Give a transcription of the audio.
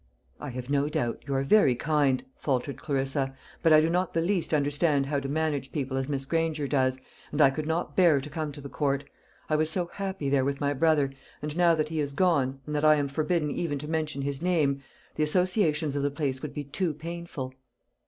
"I have no doubt. You are very kind," faltered Clarissa; "but I do not the least understand how to manage people as Miss Granger does, and I could not bear to come to the Court. I was so happy there with my brother, and now that he is gone, and that I am forbidden even to mention his name, the associations of the place would be too painful."